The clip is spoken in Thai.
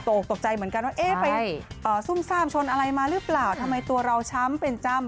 ตกใจเหมือนกันว่าเอ๊ะไปซุ่มซ่ามชนอะไรมาหรือเปล่าทำไมตัวเราช้ำเป็นจำ